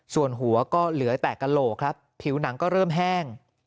ส่วนหัวก็เหลือแต่กระโหลกครับผิวหนังก็เริ่มแห้ง